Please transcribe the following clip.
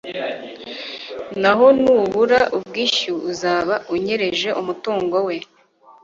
naho nubura ubwishyu uzaba unyereje umutungo we